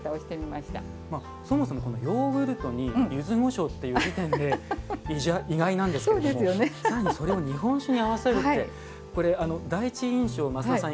まあそもそもヨーグルトにゆずごしょうっていう時点で意外なんですけれども更にそれを日本酒に合わせるってこれあの第一印象増田さん